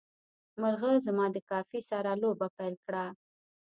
مرغه زما د کافي سره لوبه پیل کړه.